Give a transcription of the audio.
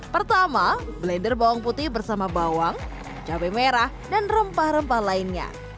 pertama blender bawang putih bersama bawang cabai merah dan rempah rempah lainnya